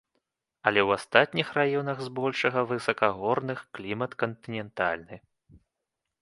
Але ў астатніх раёнах, збольшага высакагорных, клімат кантынентальны.